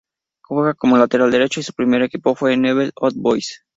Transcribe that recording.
Juega como lateral derecho y su primer equipo fue Newell's Old Boys.